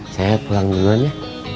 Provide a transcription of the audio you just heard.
saya pulang duluan ya